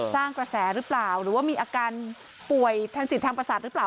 สร้างกระแสหรือเปล่าหรือว่ามีอาการป่วยทางจิตทางประสาทหรือเปล่า